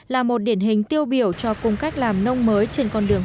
là một điển hình tiêu biểu cho cung cách làm nông mới trên con đường